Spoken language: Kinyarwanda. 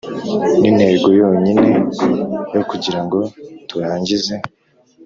nintego yonyine yo kugira ngo turangize